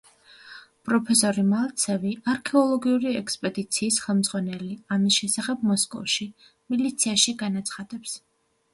პროფესორი მალცევი, არქეოლოგიური ექსპედიციის ხელმძღვანელი, ამის შესახებ მოსკოვში, მილიციაში განაცხადებს.